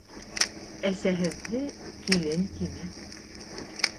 Әсәһеҙҙе «килен» тимә